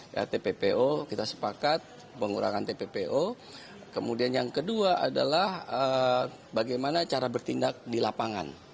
ya tppo kita sepakat pengurangan tppo kemudian yang kedua adalah bagaimana cara bertindak di lapangan